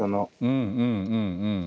うんうんうんうん。